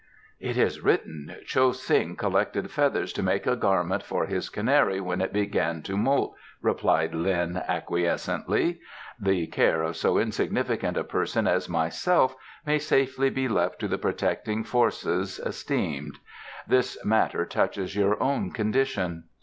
"It is written: 'Cho Sing collected feathers to make a garment for his canary when it began to moult,'" replied Lin acquiescently. "The care of so insignificant a person as myself may safely be left to the Protecting Forces, esteemed. This matter touches your own condition."